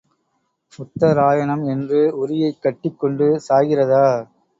உத்தராயணம் என்று உறியைக் கட்டிக் கொண்டு சாகிறதா?